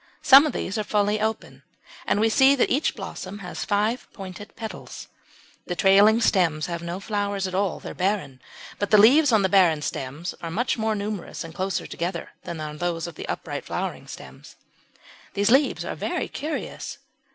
Some of these are fully open, and we see that each blossom has five pointed petals. The trailing stems have no flowers at all, they are barren; but the leaves on the barren stems are much more numerous and closer together than those on the upright flowering stems. [Illustration: COMMON STONECROP.] These leaves are very curious.